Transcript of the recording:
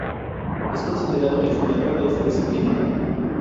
Es considerado el fundador de esta disciplina.